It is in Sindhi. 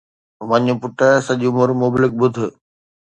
وڃ پٽ، سڄي عمر مبلغ ٻڌ